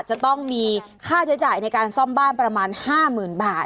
จะต้องมีค่าใช้จ่ายในการซ่อมบ้านประมาณ๕๐๐๐บาท